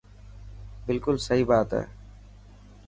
بلڪل سهي بات هي.